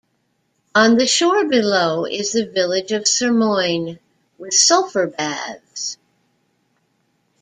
On the shore below is the village of Sirmione, with sulfur baths.